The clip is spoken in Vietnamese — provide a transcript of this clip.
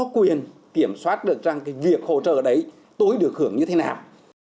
quyền kiểm soát được rằng cái việc hỗ trợ đấy tôi được hưởng như thế nào